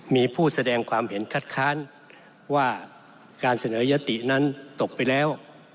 มีผู้แสดงความเห็นคัดค้านว่าการเสนอยตินั้นตกไปแล้ว